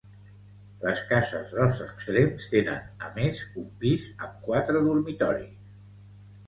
Les cases dels extrems tenen, a més, un pis amb quatre dormitoris.